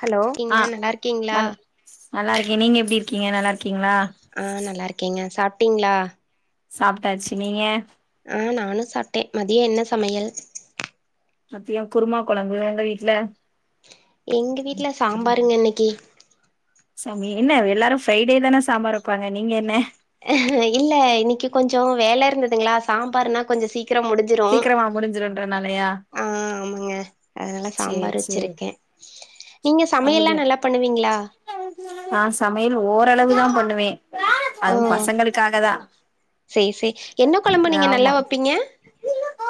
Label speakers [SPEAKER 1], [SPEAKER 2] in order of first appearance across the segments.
[SPEAKER 1] Hello எப்டி இருக்கீங்க நல்லாருக்கீங்களா
[SPEAKER 2] நல்லாருக்கேன் நீங்க எப்டி இருக்கீங்க நல்லாருக்கீங்களா
[SPEAKER 1] ஆ நல்லா இருக்கேங்க சாப்ட்டீங்களா
[SPEAKER 2] சாப்ட்டாச்சு நீங்க
[SPEAKER 1] ஆ நானு சாப்ட்டே மதிய என்ன சமையல்
[SPEAKER 2] மத்திய குருமா கொழம்பு உங்க வீட்ல
[SPEAKER 1] எங்க வீட்ல சாம்பாருங்க இன்னக்கி
[SPEAKER 2] சாமி என்ன எல்லாரு ஃப்ரைடே தானே சாம்பார் வைப்பாங்க நீங்க என்ன
[SPEAKER 1] இல்ல இன்னைக்கு கொஞ்சோ வேல இருந்ததுங்களா சாம்பார்ன்னா கொஞ்சோ சீக்கரோ முடிஞ்
[SPEAKER 2] சீக்கரமா முடிஞ்சிருன்றநாலயா
[SPEAKER 1] ஆ ஆமாங்க அதனால சாம்பார்
[SPEAKER 2] சேரி
[SPEAKER 1] வச்சிருக்கே நீங்க சமயெல்லா நல்லா பண்ணுவீங்ளா
[SPEAKER 2] ஆ சமையல் ஓரளவுதா பண்ணுவே
[SPEAKER 1] ஓ
[SPEAKER 2] அதுவு பசங்களுக்காக தா
[SPEAKER 1] சேரி சேரி என்ன கொழம்பு நீங்க நல்லா
[SPEAKER 2] ஆமா
[SPEAKER 1] வப்பீங்க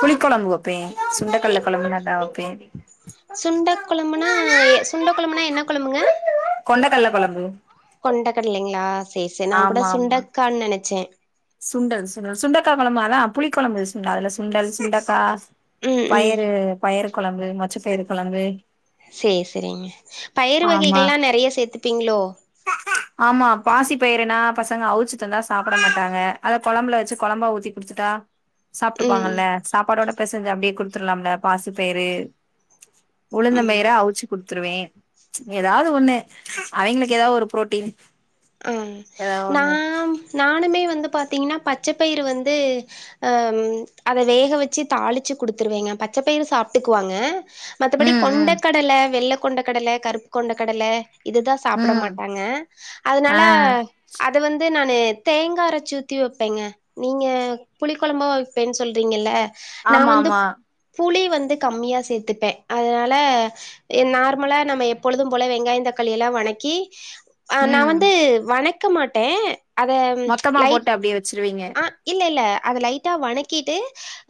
[SPEAKER 2] புளிக் கொழம்பு வப்பே சுண்டக்கல்ல கொழம்பு நல்லா வப்பே
[SPEAKER 1] சுண்ட கொழம்புனா சுண்ட கொழம்புனா என்ன கொழம்புங்க
[SPEAKER 2] கொண்ட கல்ல கொழம்பு
[SPEAKER 1] கொண்டக்கடலைங்களா செரி செரி நா கூட
[SPEAKER 2] ஆமா ஆமா
[SPEAKER 1] சுண்டக்கான்னு நெனச்சே
[SPEAKER 2] சுண்டல் சுண்டல் சுண்டக்கா கொழம்பு அதா புளி கொழம்பு சுண்டல் அதுல சுண்டல் சுண்டக்கா
[SPEAKER 1] ம் ம்
[SPEAKER 2] பயறு பயறு கொழம்பு மொச்சப்பயறு கொழம்பு
[SPEAKER 1] செரி செரிங்க பயரு
[SPEAKER 2] ஆமா
[SPEAKER 1] வகைகல்லா நெறய சேத்துப்பீங்களோ
[SPEAKER 2] ஆமா பாசி பயிருனா பசங்க அவுச்சி தந்தா சாப்ட மாட்டாங்க அத கொழம்புல வச்சு கொழம்பா ஊத்தி குடுத்துட்டா
[SPEAKER 1] ம்
[SPEAKER 2] சாப்ட்டுப்பாங்கல்ல சாப்பாடோட பெசெஞ்சு அப்டியே குடுத்துர்லாம்ல பாசி பயரு உழுந்த பயிர
[SPEAKER 1] ம்
[SPEAKER 2] அவுச்சு குடுத்துருவே ஏதாவது ஒண்ணு அவங்களுக்கு ஏதாவது ஒரு பு்ரோட்டீன்
[SPEAKER 1] ஆ நா நானுமே வந்து பாத்தீங்கன்னா பச்சப்பயிறு வந்து அ அத வேக வெச்சு தாளிச்சு குடுத்துருவேங்க பச்சப்பயிறு சாப்ட்டுக்குவாங்க மத்தபடி
[SPEAKER 2] ம்
[SPEAKER 1] கொண்ட
[SPEAKER 2] ம்
[SPEAKER 1] கடல வெள்ள கொண்ட கடல கருப்பு கொண்ட கடல இதுதா சாப்ட
[SPEAKER 2] ம்
[SPEAKER 1] மாட்டாங்க
[SPEAKER 2] ஆ
[SPEAKER 1] அதனால அத வந்து நானு தேங்கா அரச்சு ஊத்தி வெப்பங்க நீங்க புளி கொழம்பா வப்பேன்னு சொல்றீங்கல்ல நா
[SPEAKER 2] ஆமா
[SPEAKER 1] வந்து
[SPEAKER 2] ஆமா
[SPEAKER 1] புளி வந்து கம்மியா சேத்துப்பே அதனால நார்மலா நம்ம எப்பொழுது போல வெங்காய தக்காளி எல்லா வணக்கி ஆ நா
[SPEAKER 2] ம்
[SPEAKER 1] வந்து வணக்க மாட்டே அத
[SPEAKER 2] மொத்தமா
[SPEAKER 1] லைட்
[SPEAKER 2] போட்டு அப்டியே வச்சிருவீங்க
[SPEAKER 1] ஆ இல்ல இல்ல அத லைட்டா வணக்கிட்டு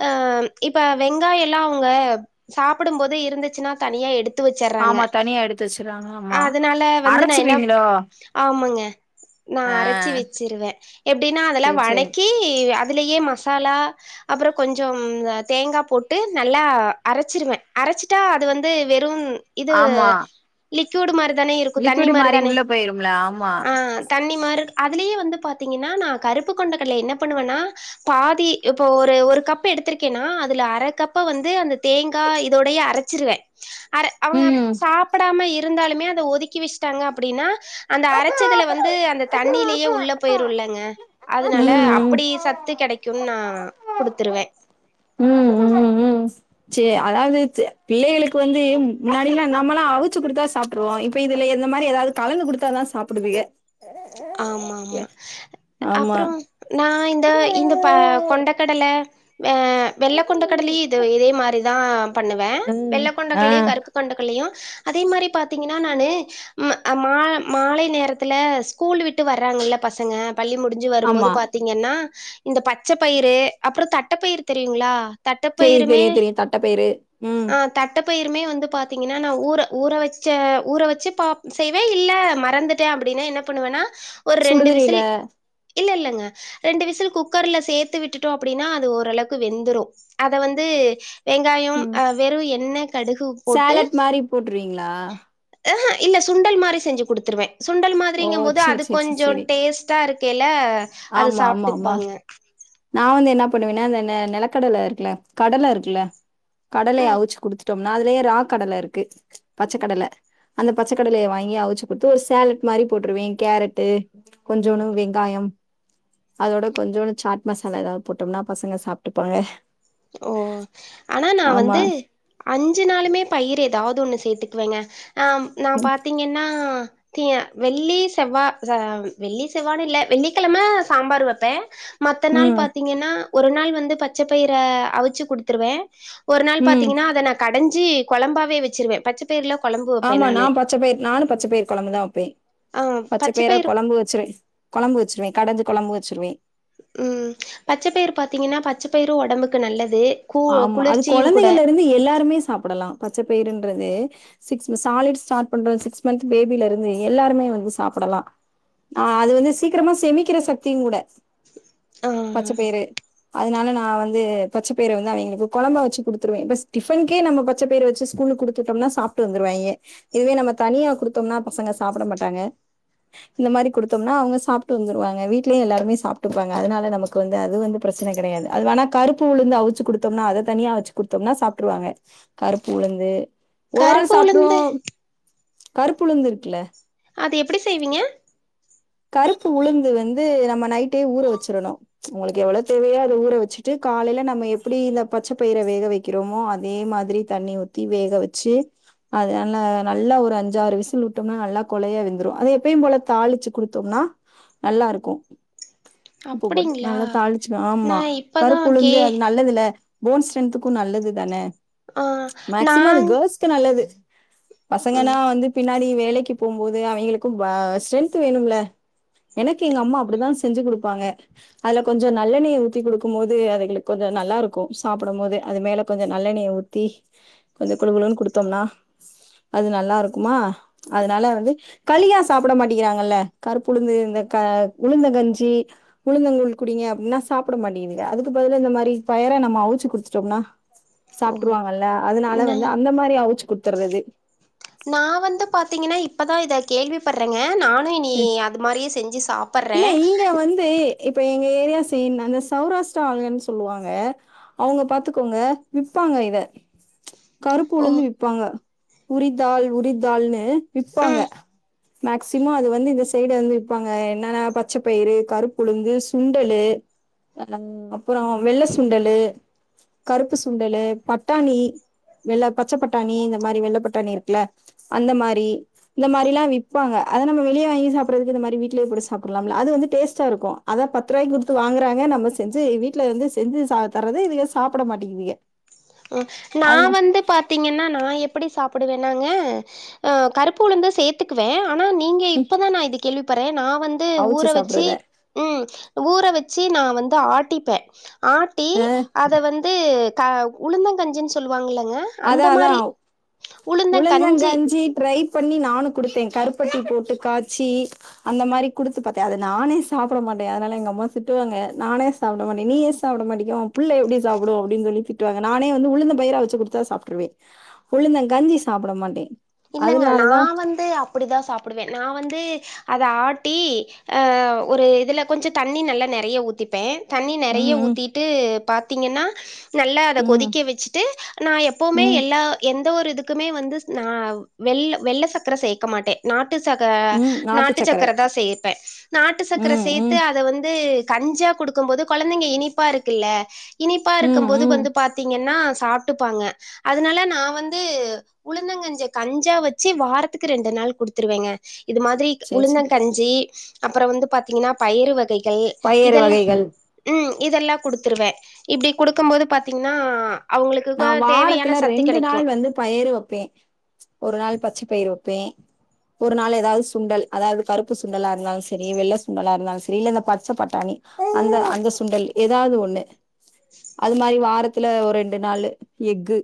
[SPEAKER 1] ஆ இப்ப வெங்காயலா அவங்க சாப்பிடும் போது இருந்துச்சுன்னா தனியா எடு த்து வச்சர்றாங்க
[SPEAKER 2] ஆமா தனியா எடுத்து வச்சுறாங்க ஆமா
[SPEAKER 1] அதனால வந்து நா என்ன
[SPEAKER 2] அரைச்சிருவீங்களோ
[SPEAKER 1] ஆமாங்க நா
[SPEAKER 2] ஆ
[SPEAKER 1] அரைச்சி வச்சிருவே எப்படின்னா அதெல்லா
[SPEAKER 2] சேரி சேரி
[SPEAKER 1] வணக்கி அதுலயே மசாலா அப்பறோ கொஞ்சம் தேங்கா போட்டு நல்லா அரைச்சிருவே அரைச்சிட்டா அது வந்து வெறும் இது
[SPEAKER 2] ஆமா
[SPEAKER 1] லிக்யூடு மாரிதானே இருக்கும் தண்ணி
[SPEAKER 2] லிக்விடு மாரி
[SPEAKER 1] மாரிதானே
[SPEAKER 2] உள்ள போயிரும்ல ஆமா
[SPEAKER 1] தண்ணி மாரி அதுலயே வந்து பாத்தீங்கன்னா நா கருப்பு கொண்ட கடலய என்ன பண்ணுவேன்னா பாதி இப்ப ஒரு ஒரு கப்பு எடுத்திருக்கேன்னா அதுல அரைக்கப்ப வந்து அந்த தேங்க் கா இதோடையே அரச்சிருவே அர அவங்க
[SPEAKER 2] ம்
[SPEAKER 1] சாப்பிடாம இருந்தாலுமே அத ஒதுக்கி வச்சுட்டாங்க அப்படின்னா அந்த அரச்சதுல வந்து அந்த தண்ணிலயே உள்ள போயிருல்லங்க அதனால
[SPEAKER 2] ம்
[SPEAKER 1] அப்படி சத் த்து கெடைக்குன்னு நா குடுத்துருவே
[SPEAKER 2] ம் ம் ம் சரி அதாவது பிள்ளைகளுக்கு வந்து முன்னாடில்லாம் நம்மளாம் அவிச்சு குடுத்தா சாப் ருவோ இப்ப இதுல இந்தமாரி ஏதாவது கலந்து குடுத்தாதா சாப்பிடுதுங்க
[SPEAKER 1] ஆமா ஆமா
[SPEAKER 2] ஆமா
[SPEAKER 1] அப்பறோ நா இந்த இந்த ப கொண்ட கடல ஆ வெள்ள கொண்ட கடலயும் இது இதே மாரிதா பண்ணுவே
[SPEAKER 2] ம்
[SPEAKER 1] வெள்ள
[SPEAKER 2] ஆ
[SPEAKER 1] கொண்டகல்லயு கருப்பு கொண்டகல்லயு அதே மாரி பாத்தீங்கன்னா நானு ம் அ மால மாலை நேரத்துல ஸ்கூல் விட்டு வர்ராங்கல்ல பசங்க பள்ளி முடிஞ்சி வரும்போது
[SPEAKER 2] ஆமா
[SPEAKER 1] பாத்தீ ங்கன்னா இந்த பச்ச பயிறு அப்பறோ தட்டப்பயிறு தெரியுங்களா
[SPEAKER 2] தெரியும்
[SPEAKER 1] தட்டப்பயிருமே
[SPEAKER 2] தெரியும் தெரியும் தட்டப்பயிறு. ம்.
[SPEAKER 1] ஆ தட்டப்பயிருமே வந்து பாத்தீங்கன்னா நா ஊற ஊற வச்ச ஊற வச்சு பா செய்வே இல்ல மறந்து ட்டே அப்டினா என்ன பண்ணுவேன்னா ஒர் ரெண்டு விசில்
[SPEAKER 2] சுடுதண்ணீல
[SPEAKER 1] இல்ல இல்லங்க ரெண்டு விசில் குக்கர்ல சேத்து விட்டுட்டோ அப்டினா அது ஓரளவ்க்கு வெந்துரு அத வந்து வெங்காயம்
[SPEAKER 2] ம்.
[SPEAKER 1] அ வெறும் எண்ண கடுஹு போட்டு
[SPEAKER 2] போட்ருவீங்ளா
[SPEAKER 1] ஆஆ இல்ல சுண்டல் மாரி செஞ்சி குடுத்துருவே சுண்டல்
[SPEAKER 2] ஓ!
[SPEAKER 1] மாதிரிங்க போது
[SPEAKER 2] சரி,
[SPEAKER 1] அது
[SPEAKER 2] சரி, சரி,
[SPEAKER 1] கொஞ்சோ
[SPEAKER 2] சரி.
[SPEAKER 1] டேஸ் ட்டா இருக்கைல அது சாப்ட்டுப்பாங்க
[SPEAKER 2] நா வந்து என்னா பண்ணுவேனா அந்த நெ நெலக்கடல இருக்குல்ல கடல இருக்குல்ல
[SPEAKER 1] ம்.
[SPEAKER 2] கடலைய அவிச்சு குடுத்து ட்டோம்னா அதுலயே ரா கடல இருக்கு பச்சக்கடல அந்த பச்சக்கடலைய வாங்கி அவிச்சு குட்த்து ஒரு சேலட் மாரி போட்ருவே கேரட்டு கொஞ்சோணு வெங்காயம் அதோட கொஞ்சோணு சாட் மசாலா எதாவ்து போட்டம்னா பசங்க சாப்ட்டுப்பாங்க
[SPEAKER 1] ஓ ஆனா நா
[SPEAKER 2] ஆமா.
[SPEAKER 1] வந்து அஞ்சு நாளுமே பயிர் எதாவ்து ஒன்னு சேத்திக்குவேங்க ஆ நா
[SPEAKER 2] ம்,
[SPEAKER 1] பாத்தீங்கன்னா திய வெள்ளி, செவ்வா சா வெள்ளி செவ்வானு இல்ல வெள்ளிக்கெழம சாம்பாரு வெப்பே மத்த நாள்
[SPEAKER 2] ம்,
[SPEAKER 1] பாத்தீங்கன்னா ஒரு நாள் வந்து பச்ச பயிற அவிச்சு குடுத்துருவே ஒரு நாள்
[SPEAKER 2] ம்.
[SPEAKER 1] பாத்தீங்கன்னா அத நா கடஞ்சி கொழம்பாவே வெச்சிருவே பச்ச பயிறுல கொழம்பு வப்பே
[SPEAKER 2] ஆமா நா
[SPEAKER 1] நானு
[SPEAKER 2] பச்ச பயிற் நானு பச்ச பயிற் கொழம்புதா வெப்பே
[SPEAKER 1] ஆ
[SPEAKER 2] பச்ச பயிற
[SPEAKER 1] பயிறு
[SPEAKER 2] கொழம்பு வச்சிருவே கொழம்பு வச்சிருவே கடஞ்சி கொழம்பு வச்சுருவே
[SPEAKER 1] ம் பச்சப்பயிறு பாத்தீங்கன்னா பச்சப்பயிறு ஒடம்புக்கு நல்லது கூ
[SPEAKER 2] ஆமா அது
[SPEAKER 1] குளிர்ச்சியு கூட
[SPEAKER 2] கொழந்தைகள்லிருந்து எல்லாருமே சாப்பிடலா பச்சப்பயறுன்றது சிக்ஸ் மஸ் சாலிட் ஸ்டாட் பண்ற சிக்ஸ் மன்த்து பேபிலருந்து எல்லாருமே வந்து சாப்பிடலா ஆ அது வந்து சீக்கிரமா செமிக்கிற சக்தியுங்கூட
[SPEAKER 1] ஆ
[SPEAKER 2] பச்ச பயறு அதுனால நா வந்து பச்ச பயிற வந்து அவிங்ளுக்கு கொழம்பா வச்சு குடுத்துருவே பெஸ் டிஃபன்கே நம்ம பச்ச பயற வச்சு ஸ்கூலுக் குடுத்து உட்டம்னா சாப்ட்டு வந்துருவாய்ங்க இதுவே நம்ம தனியா குடுத்தம்னா பசங்க சாப்பட மாட்டாங்க இந்த மாரி குடுத்தம்னா அவங்க சாப்ட்டு வந்துருவாங்க வீட்லயு எல்லாருமே சாப்ட்டுப்பாங்க அதுனால நமக் கு வந்து அது வந்து பிரச்சன கெடயாது அது வேணா கருப்பு உழுந்த அ விச்சு குடுத்தம்னா அத தனியா அவிச்சு குடுத்தம்னா சாப்ட்ருவாங்க கருப்பு உளுந்து ஒராள்
[SPEAKER 1] கருப்பு
[SPEAKER 2] சாப்ட்ருவோ
[SPEAKER 1] உளுந்து
[SPEAKER 2] கருப்புழுந்து இருக்குல்ல
[SPEAKER 1] அது எப்டி செய்வீங்க
[SPEAKER 2] கருப்பு உளுந்து வந்து நம்ம நைட்டே ஊற வெச்சிரணு உங்களுக்கு எவ்ளோ தேவையோ அத ஊற வச்சுட்டு காலைல நம்ம எப்பிடி இந்த பச்ச பயிற வேக வெக் கிறமோ அதே மாதிரி தண்ணி ஊத்தி வேக வச்சி அதுனால நல்லா ஒரு அஞ்சாறு விசில்வுட்டம்னா நல்லா கொழய வெந்துரு அத எப்பயும் போல தாளிச்சு குடுத்தம்னா நல்லாருக்கு உப்பு போட்டு
[SPEAKER 1] அப்டிங்களா
[SPEAKER 2] நல்லா தாளிச்சுருவே
[SPEAKER 1] நா
[SPEAKER 2] ஆமா
[SPEAKER 1] இப்பதா
[SPEAKER 2] கருப்பு
[SPEAKER 1] கே
[SPEAKER 2] உளுந்து அது நல்லதில்ல போன் ஸ்ட்ரென்த்துக்கு நல்லது தான
[SPEAKER 1] ஆ நா
[SPEAKER 2] மேக்சிமோ அது கேள்ஸ்க்கு நல்லது பசங்கனா
[SPEAKER 1] ம்
[SPEAKER 2] வந்து பின்னாடி வேலைக்கு போம்போது அவிங்களுக்கு பா ஸ்ட்ரென்த்து வேணுமில்ல எனக்கு எங்க அம்மா அப்படிதா செஞ்சு குடுப்பாங்க அதுல கொஞ்சோ நல்லெண்ணய ஊத்தி குடுக்கும் போது அதுகளுக் கொஞ்ச நல்லாருக்கு சாப்புடும்போது அது மேல கொஞ்ச நல்லெண்ணய ஊத் த்தி கொஞ்சோ குலு குலுன்னு குடுத்தோம்னா அது நல்லா இருக்குமா அதனால வந்து களியா சாப்பட மாட் டிகிறாங்கல்ல கருப்புளுந்து இந்த க உளுந்த கஞ்சி உழுந்தங்குழ் குடிங்க அப்டின்னா சாப்பட மாட்டிதுங்க அதுக்கு பதிலா இந்த மாரி பயரா நம்ம அவுச்சு குடுத்துட்டோம்னா
[SPEAKER 1] உ
[SPEAKER 2] சாப்ட்ருவாங்கல்ல அதனால வந்து அந்த மாரி அவுச்சு குடுத்துடுறது
[SPEAKER 1] நா வந்து பாத்தீங்கன்னா இப்பதா இத கேள்வி படுறேங்க நானு இனி அது மாரியே செஞ்சு சாப்பட்றே
[SPEAKER 2] இல்ல ஈங்க வந்து இப்ப எங்க ஏரியா செய்டு அந்த சௌரா ஷடால்ன்னு சொல்லுவாங்க அவுங்க பாத்துக்கோங்க விப்பாங்க இத
[SPEAKER 1] ஓ
[SPEAKER 2] கருப்புலந்து விப்பாங்க உரிதாள் உரிதள்ன்னு விப்பாங்க
[SPEAKER 1] ம்
[SPEAKER 2] மேக்சிமோ அது வந்து இந்த சைடு வந்து விப்பாங்க என்னான்னா பச்சப்பயிறு கருப்புளுந்து சுண்டலு அ அப்புறோ வெள்ள சுண்டலு கருப்பு சுண்டலு பட்டாணி வெள்ளா பச்ச பட்டாணி இந்த மாரி வெள்ள பட்டாணி இருக்குல அந்த மாரி இந்த மாரிலா விப்பாங்க அத நம்ம வெளிய வாங்கி சாப்பறதுக்கு இந்த மாரி வீட்லயே கூட ச சாப்டலாம்ல அது வந்து டேஸ்ட்டா இருக்கு அத பத்து ரூவாய கொடுத்து வாங்குறாங்க நம்ம செஞ்சு வீட்ல வந்து செஞ்சு தர்றத இதுக சாப்பிட மாட்டங்கீதுக
[SPEAKER 1] நா வந்து பாத்தீங்கன்னா நா எப்படி சாப்பிடுவேனாங்க அ கருப்பு உளுந்து சேத்துக்குவே ஆனா நீங்க
[SPEAKER 2] ம்
[SPEAKER 1] இப்பதா நா இது கேள்விப்படுறே நா வந்து ஊற
[SPEAKER 2] அவுச்சு
[SPEAKER 1] வச்சு
[SPEAKER 2] சாப்புட்றத
[SPEAKER 1] ம் ஊற வச்சி நா வந்து ஆட்டிப்பே ஆட்டி
[SPEAKER 2] அ
[SPEAKER 1] அத வந் து க உளுந்தங்கஞ்சின்னு சொல்லுவாங்கில்லங்க
[SPEAKER 2] அதா அதா உளுந்தங்கஞ்சி ட்ரைப் பண்ணி நானு கொடுத்தே கருப்பட்டி போட்டு காய்ச்சி அந்த மாரி குடுத்து பாத்தே அத நானே சாப்பட மாட்டே அதனால எங்க அம்மா திட்டுவாங்க நானே சாப்பிட மாட்ட நீ ஏ சாப்டமாட்டிகே ஒ புள்ள எப்டி சாப்டு அப்டின்னு சொல்லி திட்டுவாங்கா நானே வந்து உழுந்த பயரா அவிச்சி கொடு த்தா சாப்ட்ருவே உழுந்த கஞ்சி சாப்பிட மாட்டே
[SPEAKER 1] இல்லங்க நா வந்து அப்படி தா சாப்பிடுவே நா வந்து அத ஆட்டி அ ஒரு இதுல கொஞ்சோ தண்ணி நல்லா நெறைய ஊத்திப்பே தண்ணி நெறைய
[SPEAKER 2] ம்
[SPEAKER 1] ஊத்திட்டு பாத்திங்கன்னா நல்லா அத
[SPEAKER 2] ம்
[SPEAKER 1] கொதிக்க வச்சுட்டு நா எப்பவுமே
[SPEAKER 2] ம்
[SPEAKER 1] எல்லா எந்த ஒரு இதுக்குமே வந்து ந வெள்ள வெள்ள சர்க்கர சேக்க மாட்டே நாட்டு சர்க்கர நாட்டு சக்கர தா சேப்பே நாட்டு சர்க்கர
[SPEAKER 2] ம்
[SPEAKER 1] சேத்து
[SPEAKER 2] ம்
[SPEAKER 1] அத வந்து கஞ்சா குடுக்கும் போது குழந்தைங்க இனிப்பா இருக்குல்ல இனிப்பா
[SPEAKER 2] ம்
[SPEAKER 1] இருக்கும்போது
[SPEAKER 2] ம்
[SPEAKER 1] வந்து பாத்திங்கன்னா சாப்ட்டுப்பாங்க அதனால நா வந்து உளுந்தங்கஞ்ச கஞ்சா வச்சு வாரத்துக்கு ரெண்டு நாள் குடுத்துருவேங்க இது மாதிரி
[SPEAKER 2] சேரி
[SPEAKER 1] உளுந்த
[SPEAKER 2] சேரி
[SPEAKER 1] கஞ் சி அப்புறோ வந்து பாத்தீங்கன்னா பயிரு வகைகள்
[SPEAKER 2] பயறு
[SPEAKER 1] இதெல்லா
[SPEAKER 2] வகைகள்
[SPEAKER 1] ம் இதெல்லா குடுத்துருவே இப்டி குடுக்கும் போது பாத்தீங்கன்னா அவுங்களுக்கு கோ தேவையான சத்து கெடைக்கு
[SPEAKER 2] பயிரு வைப்பே ஒரு நாள் பச்சை பயிரு வைப்பே ஒரு நாள் ஏதாவது சுண்டல் அதாவது கருப்பு சுண்டலா இருந்தாலு செரி வெள்ள சுண்டலா இருந்தாலு செரி இல்ல அந்த பச்ச பட்டாணி அந்த அந்த சுண்டல் ஏதாவது ஒண்ணு அது மாரி வாரத்துல ஒரு ரெண் டு நாளு எக்கு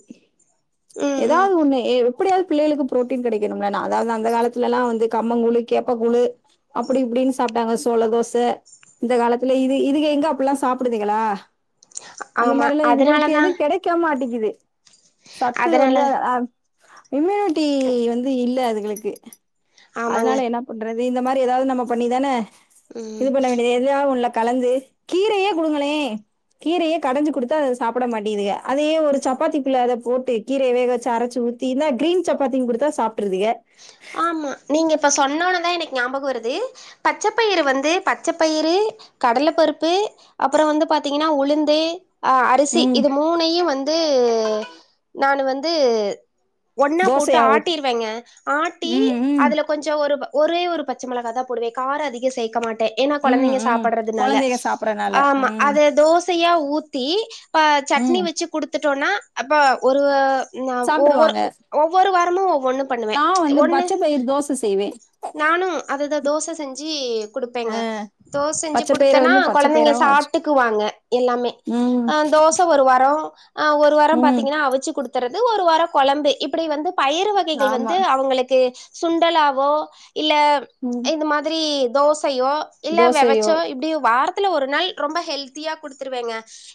[SPEAKER 1] ம் ம்
[SPEAKER 2] ஏதாவது ஒண்ணு ஏ எப்படியாவது பிள்ளைகளுக்கு ப்ரோட்டீன் கடைக்கணும்ல அதாவது அந்த காலத்துலா வந்து கம்மங்கூழு கேப்பகூழு அப்டி இப்டின்னு சாப்ட்டாங்க சோள தோச இந்த காலத்துல இது இதுக எங்க அப்புல்லாம் சாப்டுதுகளா அந்த
[SPEAKER 1] ஆமா
[SPEAKER 2] மாரில்லா இதுகளுக்கு
[SPEAKER 1] அதனாலதா
[SPEAKER 2] எதுவு கெடைக்க மாட்டேக்குது சத்து
[SPEAKER 1] அதனால
[SPEAKER 2] வந்து அம் இம்யூனிட்டி வந்து இல்ல அதுங்களுக்கு
[SPEAKER 1] ஆமாங்க
[SPEAKER 2] அதனால என்ன பண்றது இந்த மாரி எதாவ்து நம்ம பண்ணிதானே
[SPEAKER 1] ம்
[SPEAKER 2] இது பண்ண வேண்டியது எதுலயா ஒன்னுல கலந்து கீரையே குடுங்களே கீரையே கடைஞ்சு குடுத்தா அத சாப்ட மாட்டியதுக அதே ஒரு சப்பாத்திக்குள்ள அத போட்டு கீரை வேக வச்ச அரச்சு ஊத்தி இந்தா கிரீன் சப்பாத்தினு குடுத்தா சாப்ட்ருதுக
[SPEAKER 1] ஆமா நீங்க இப்போ சொன்னோனதா எனக்கு நியாபகம் வருது பச்சப்பயிறு வந்து பச்சப்பயிறு கடலப்பருப்பு அப்பறோ வந்து பாத்தீங்கன்னா உளுந்து ஆ அரிசி
[SPEAKER 2] ம்
[SPEAKER 1] இது மூனையு வந்து நான் வந்து ஒன்னா போட்டு
[SPEAKER 2] தோசையா ஊத்
[SPEAKER 1] ஆட்டிருவாங்க ஆட்டி
[SPEAKER 2] ம் ம்
[SPEAKER 1] அதுல கொஞ்சொ ஒரு ஒரே ஒரு பச்ச மொளகாதா போடுவே காரோ அதிகோ சேக்க மாட்டே ஏனா
[SPEAKER 2] ம்
[SPEAKER 1] கொழந்தைங்க
[SPEAKER 2] ம்
[SPEAKER 1] சாப்படுறதுனால
[SPEAKER 2] கொழந்தைக சாப்டறனால
[SPEAKER 1] ஆமா
[SPEAKER 2] ம்
[SPEAKER 1] அத தோசையா ஊத்தி ப்ப சட்னி
[SPEAKER 2] ம்
[SPEAKER 1] வச்சு குடுத்துட்டோனா அப்ப ஒரு ந ஒவ்வொரு
[SPEAKER 2] சாப்ட்ருவாங்க
[SPEAKER 1] ஒ ஒவ்வொரு வாரமு ஒவ்வொன்னு பண்ணுவே
[SPEAKER 2] நா வந்து
[SPEAKER 1] ஒன்னு
[SPEAKER 2] பச்ச பயிர் தோச செய்வே
[SPEAKER 1] அதுதா தோச செஞ்சு
[SPEAKER 2] ஆ
[SPEAKER 1] குடுப்பேங்க தோச செஞ்சு
[SPEAKER 2] பச்ச பயிர
[SPEAKER 1] குடுத்தன்னா
[SPEAKER 2] வந்து பச்ச
[SPEAKER 1] கொழந்தைங்க
[SPEAKER 2] பயிராவு அவிச்சு
[SPEAKER 1] சாப்ட்டுக்குவாங்க எல்லாமே
[SPEAKER 2] ம்
[SPEAKER 1] அ தோச ஒரு வாரோ ஆ ஒரு வாரோ
[SPEAKER 2] ம்
[SPEAKER 1] பாத்தீங்கன்னா அவிச்சு குடுத் துறது ஒரு வாரோ கொழம்பு இப்டி வந்து பயிறு வகைகள் வந்
[SPEAKER 2] ஆமா
[SPEAKER 1] அவங்களுக்கு சுண்டலாவோ இல்ல
[SPEAKER 2] ம்
[SPEAKER 1] இந்த மாதிரி தோசையோ இல்ல
[SPEAKER 2] தோசையோ
[SPEAKER 1] வெவச்சோ இப்டி வாரத்துல ஒரு நாள் ரொம்ப ஹெல்த்தியா குடுத்துருவேங்க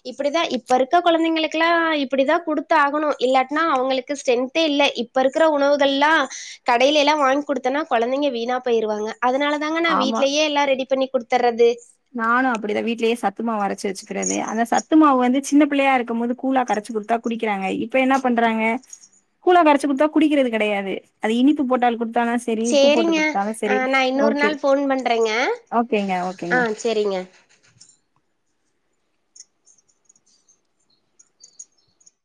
[SPEAKER 1] இப்டிதா இப்ப இருக்க கொழந்தைங்களுக்கெல்லா இப்டிதா குடுத்து ஆகணு இல்லாட்னா அவங்களுக்கு ஸ்ட்ரென்த்தே இல்ல இப் ப்ப இருக்கிற உணவுகள்லா கடைலேல்லா வாங்கி குடுத்தன்னா கொழந்தைங்க வீணா போயிருவாங்க அதனால தாங்க நா
[SPEAKER 2] ஆமா
[SPEAKER 1] வீட்லயே எல்லா ரெடி பண்ணி குடுத்தர்றது
[SPEAKER 2] நானு அப்டிதா வீட்லயே சத்துமாவு அரச்சு வச்சுக்கிறது அந்த சத்து மாவு வந்து சின்ன புள்ளையா இருக்கும் போது கூழா கரைச்சு குடுத்தா குடிக்கிறாங்க இப்ப என்ன பண்றாங்க கூழா கரைச்சி குடுத்தா குடிக்கிறது கெடையாது அது இனிப்பு போட்டால் குடுத்தாங்க
[SPEAKER 1] சேரிங்க அ நா இன்னொரு நாள் ஃபோன் பண்றேங்க
[SPEAKER 2] ஓகேங்க
[SPEAKER 1] ஆ
[SPEAKER 2] ஓகேங்க
[SPEAKER 1] செரிங்க